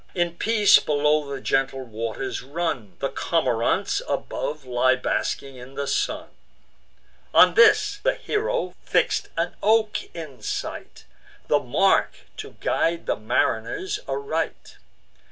In peace below the gentle waters run; The cormorants above lie basking in the sun. On this the hero fix'd an oak in sight, The mark to guide the mariners aright.